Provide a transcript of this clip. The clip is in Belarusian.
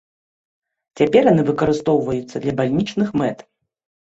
Цяпер яны выкарыстоўваюцца для бальнічных мэт.